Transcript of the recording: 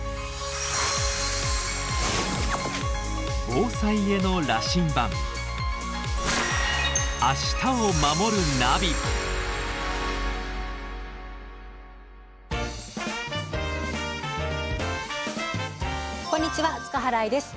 防災への羅針盤こんにちは塚原愛です。